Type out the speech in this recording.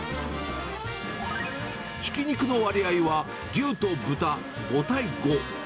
ひき肉の割合は牛と豚５対５。